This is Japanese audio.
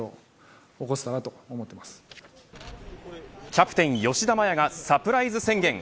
キャプテン吉田麻也がサプライズ宣言。